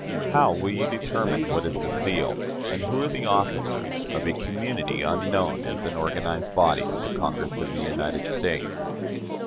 How will you determine what is the seal, and who are the officers, of a community unknown as an organized body to the Congress of the United States?